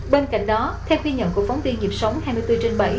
bên cạnh đó theo ghi nhận của phóng tin dịp sống hai mươi bốn trên bảy